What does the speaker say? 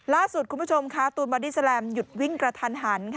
ล่าสุดคุณผู้ชมค่ะตูนบอดี้แลมหยุดวิ่งกระทันหัน